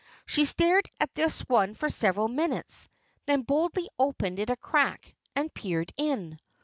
She stared at this one for several minutes, then boldly opened it a crack and peered in.